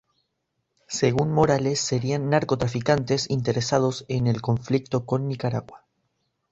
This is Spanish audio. Según Morales serían narcotraficantes interesados en el conflicto con Nicaragua.